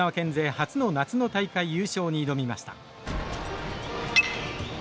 初の夏の大会優勝に挑みました。